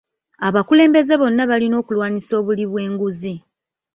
Abakulembeze bonna balina okulwanisa obuli bw'enguzi,